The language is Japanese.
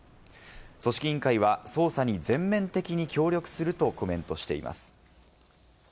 組織委員会は捜査に全面的に協力するとコメントしています。